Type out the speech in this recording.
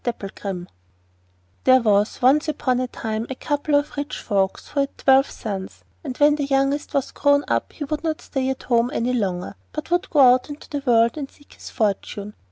DAPPLEGRIM There was once upon a time a couple of rich folks who had twelve sons, and when the youngest was grown up he would not stay at home any longer, but would go out into the world and seek his fortune.